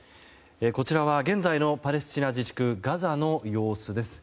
こちらは、現在のパレスチナ自治区ガザの様子。